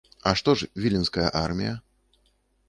А што ж віленская армія?